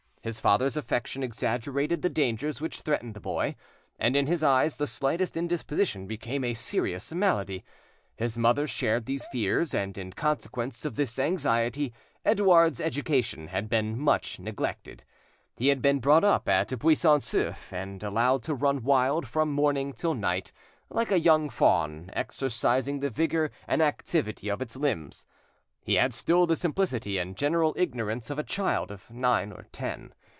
His father's affection exaggerated the dangers which threatened the boy, and in his eyes the slightest indisposition became a serious malady; his mother shared these fears, and in consequence of this anxiety Edouard's education had been much neglected. He had been brought up at Buisson Souef, and allowed to run wild from morning till night, like a young fawn, exercising the vigour and activity of its limbs. He had still the simplicity and general ignorance of a child of nine or ten.